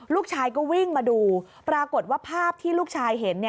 ลูกชายก็วิ่งมาดูปรากฏว่าภาพที่ลูกชายเห็น